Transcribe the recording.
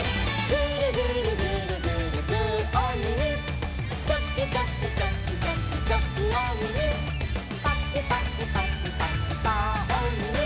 「グルグルグルグルグーおみみ」「チョキチョキチョキチョキチョキおみみ」「パチパチパチパチパーおみみ」